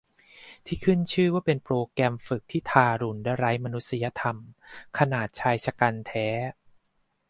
ที่ขึ้นชื่อว่าเป็นโปรแกรมฝึกที่ทารุณและไร้มนุษยธรรมขนาดชายฉกรรจ์แท้